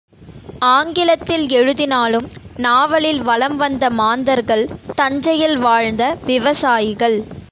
ஆங்கிலத்தில் எழுதினாலும் நாவலில் வலம்வந்த மாந்தர்கள் தஞ்சையில் வாழ்ந்த விவசாயிகள்.